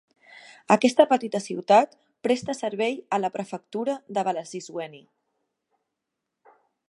Aquesta petita ciutat presta servei a la prefectura de Velezizweni.